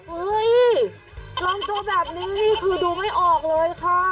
ลำตัวแบบนี้นี่คือดูไม่ออกเลยค่ะ